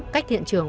cách hiện trường